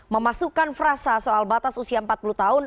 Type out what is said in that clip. memasukkan frasa soal batas usia empat puluh tahun